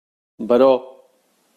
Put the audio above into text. Baró.